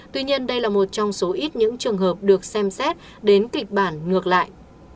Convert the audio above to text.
tuy nhiên đây là một trong số ít những trường hợp được xem xét đến kịch bản ngược lại